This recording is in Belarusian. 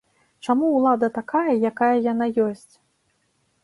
Чаму ўлада такая, якая яна ёсць?